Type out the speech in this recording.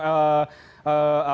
apa dari anggaran